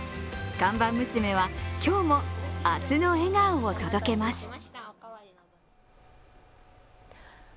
看板娘は、今日も明日の笑顔を届けます。